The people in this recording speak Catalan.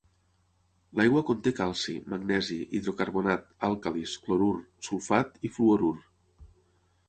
L'aigua conté calci, magnesi, hidrocarbonat, àlcalis, clorur, sulfat i fluorur.